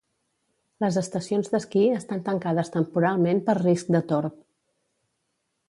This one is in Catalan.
Les estacions d'esquí estan tancades temporalment per risc de torb.